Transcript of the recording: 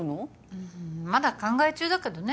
うんまだ考え中だけどね